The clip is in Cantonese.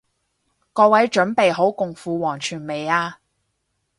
各位準備好共赴黃泉未啊？